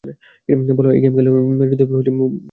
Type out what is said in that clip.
বলা হয় এই গেম খেললে হৃদয় কথা মুখ পর্যন্ত চলে আসে।